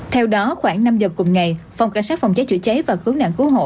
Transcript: theo đó khoảng năm giờ cùng ngày phòng cảnh sát phòng cháy chữa cháy và cứu nạn cứu hộ